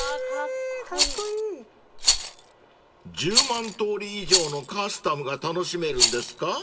［１０万通り以上のカスタムが楽しめるんですか］